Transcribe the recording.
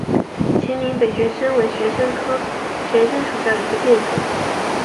秦岭北玄参为玄参科玄参属下的一个变种。